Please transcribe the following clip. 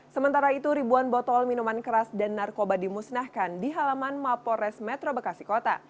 sementara itu ribuan botol minuman keras dan narkoba dimusnahkan di halaman mapores metro bekasi kota